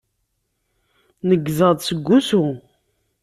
Neggzeɣ-d seg usu.